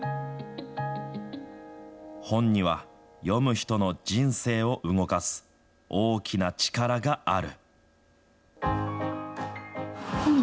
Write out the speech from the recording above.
本人は読む人の人生を動かす大きな力がある。